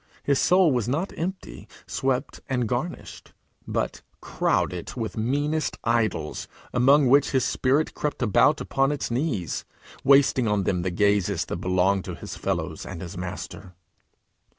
His soul was not empty, swept, and garnished, but crowded with meanest idols, among which his spirit crept about upon its knees, wasting on them the gazes that belonged to his fellows and his Master.